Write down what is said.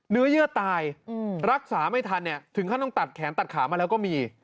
เนื้อเยื่อตายรักษาไม่ทันเนี่ยถึงถ้าต้องตัดแขนตัดขามาแล้วก็มี